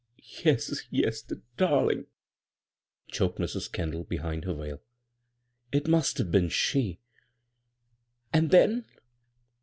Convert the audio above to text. " Yes, yes. the darling 1 " choked Mrs. Kendall behind her veil, " It must have been she. And then